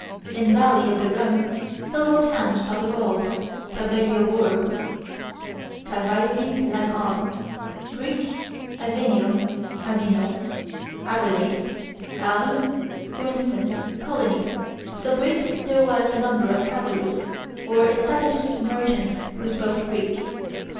In valley of the Rhone, several towns of the Gauls, Cabellio were (Cavaili like on), Greek Avenio (Avignon), Arelate (Arles), for instance, colonies, so great there was the number of travellers or established merchants who spoke Greek.